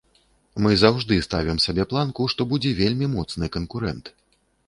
Мы заўжды ставім сабе планку, што будзе вельмі моцны канкурэнт.